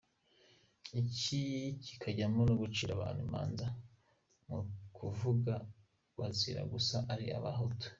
Iki kikajyana no gucira abantu imanza mu kivunga, bazira gusa ko ari Abahutu.